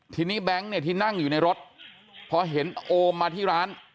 ทีนี้แบงค์เนี่ยที่นั่งอยู่ในรถพอเห็นโอมมาที่ร้าน